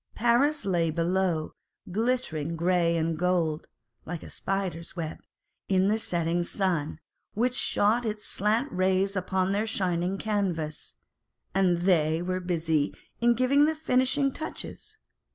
Paris lay below, _ glittering grey and gold (like a spider's web) in the setting sun, which shot its slant rays upon their shining canvas, and they were busy in giving the finishing touches.